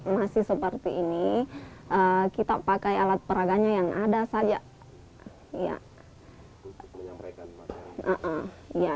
masih seperti ini kita pakai alat peraganya yang ada saja